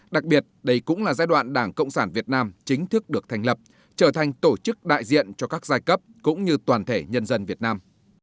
đặc biệt đây cũng là giai đoạn đảng cộng sản việt nam chính thức được thành lập trở thành tổ chức đại diện cho các giai cấp cũng như toàn thể nhân dân việt nam